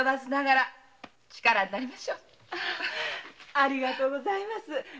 ありがとうございます。